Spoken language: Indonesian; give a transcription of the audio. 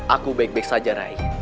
aku baik baik saja raih